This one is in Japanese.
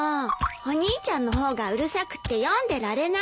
お兄ちゃんの方がうるさくって読んでられない。